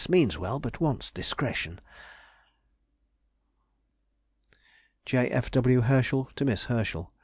means well, but wants discretion. J. F. W. HERSCHEL TO MISS HERSCHEL.